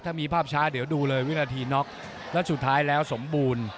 ถ้ามีภาพช้าเดี๋ยวดูเลยวินาทีน็อกแล้วสุดท้ายแล้วสมบูรณ์